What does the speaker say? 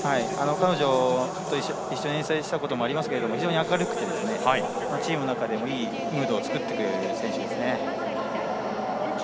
彼女と一緒に遠征したこともありますが非常に明るくてチームの中でもいいムードを作ってくれる選手です。